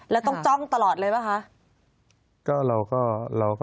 อ๋อแล้วต้องจ้องตลอดเลยไหมคะ